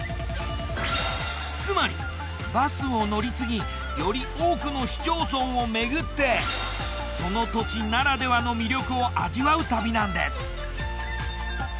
つまりバスを乗り継ぎより多くの市町村をめぐってその土地ならではの魅力を味わう旅なんです。